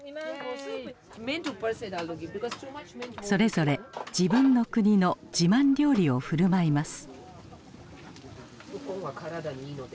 それぞれ自分の国の自慢料理を振る舞います。